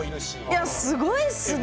いやすごいっすね。